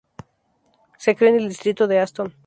Se crio en el distrito de Aston.